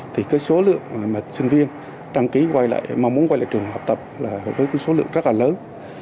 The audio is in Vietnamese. thì cái số lượng mà sinh viên đăng ký quay lại mong muốn quay lại trường học tập là với cái số lượng rất là lớn